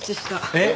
えっ！？